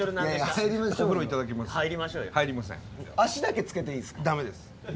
足だけつけていいですか？